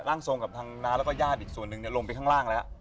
ทรงกับทางน้าแล้วก็ญาติอีกส่วนหนึ่งลงไปข้างล่างแล้ว